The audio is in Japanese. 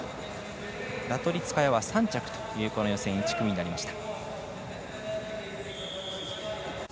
ラトリツカヤは３着という予選１組になりました。